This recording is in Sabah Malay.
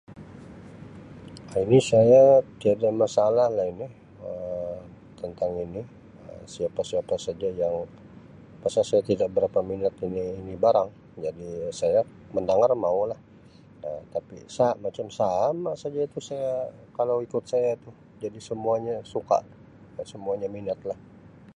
Ini saya tiada masalah lah ini Um tentang ini Um siapa-siapa saja yang pasal saya tida berapa minat ini ini barang jadi saya mendangar mau lah Um tapi sa macam sama saja itu saya kalau ikut saya tu jadi semuanya suka semuanya minat lah.